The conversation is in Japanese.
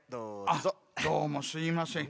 あっどうもすいません。